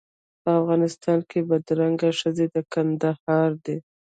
په افغانستان کې بدرنګې ښځې د کندهار دي.